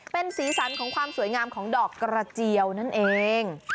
เป็นสีสันของความสวยงามของดอกกระเจียวนั่นเอง